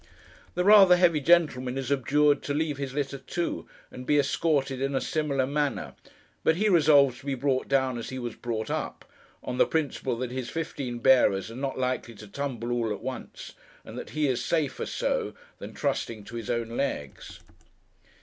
The rather heavy gentleman is abjured to leave his litter too, and be escorted in a similar manner; but he resolves to be brought down as he was brought up, on the principle that his fifteen bearers are not likely to tumble all at once, and that he is safer so, than trusting to his own legs.